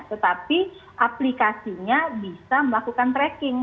tetapi aplikasinya bisa melakukan tracking